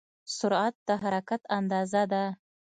سرعت د حرکت اندازه ده.